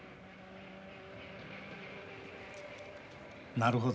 なるほど。